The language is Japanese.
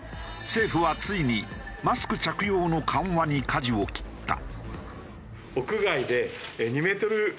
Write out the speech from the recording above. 政府はついにマスク着用の緩和にかじを切った。